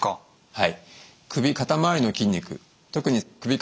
はい。